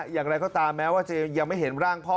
อย่างไรก็ตามแม้ว่าจะยังไม่เห็นร่างพ่อ